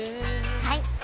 はい！